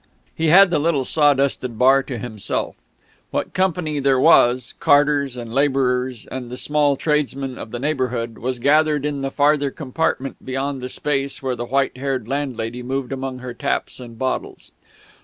He had the little sawdusted bar to himself; what company there was carters and labourers and the small tradesmen of the neighbourhood was gathered in the farther compartment, beyond the space where the white haired landlady moved among her taps and bottles.